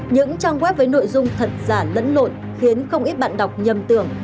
những trang web với nội dung thật giả lẫn lộn khiến không ít bạn đọc nhầm tưởng